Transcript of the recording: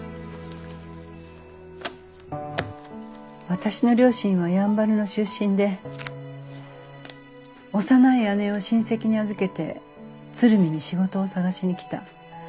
私の両親はやんばるの出身で幼い姉を親戚に預けて鶴見に仕事を探しに来た。